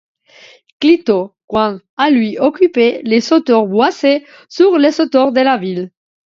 Clitos quant à lui occupait les hauteurs boisées sur les hauteurs de la ville.